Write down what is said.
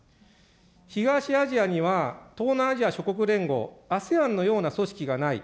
東アジアには東南アジア諸国連合・ＡＳＥＡＮのような組織がない。